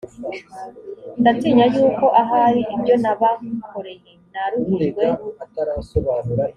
ndatinya yuko ahari ibyo nabakoreye naruhijwe